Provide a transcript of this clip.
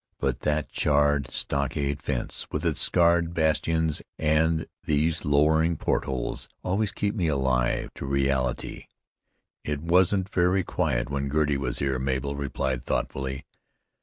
"But that charred stockade fence with its scarred bastions and these lowering port holes, always keep me alive to the reality." "It wasn't very quiet when Girty was here," Mabel replied thoughtfully.